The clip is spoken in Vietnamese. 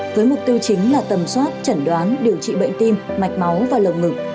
với mục tiêu chính là tầm soát chẩn đoán điều trị bệnh tim mạch máu và lồng ngực